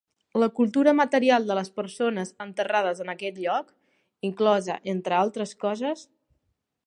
La cultura material de les persones enterrades en aquest lloc, inclosa entre altres coses